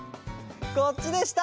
こっちでした！